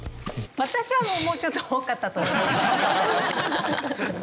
私はもうちょっと多かったと思いますけど。